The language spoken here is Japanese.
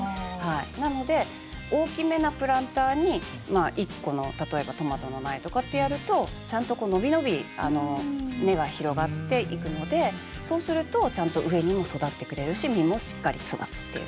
なので大きめなプランターに一個の例えばトマトの苗とかってやるとちゃんと伸び伸び根が広がっていくのでそうするとちゃんと上にも育ってくれるし実もしっかり育つっていう。